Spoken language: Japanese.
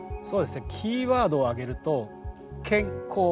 そうですねキーワードを挙げると「健幸」。